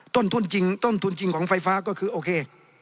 ต้นทุนจริงต้นทุนจริงของไฟฟ้าก็คือโอเค